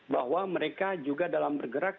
bahwa mereka juga dalam bergerak